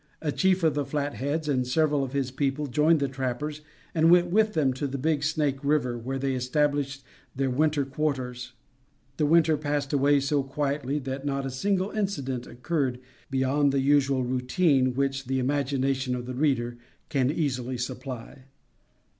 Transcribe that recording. A chief of the Flatheads and several of his people joined the trappers and went with them to the Big Snake River where they established their winter quarters. The winter passed away so quietly that not a single incident occurred beyond the usual routine which the imagination of the reader can easily supply.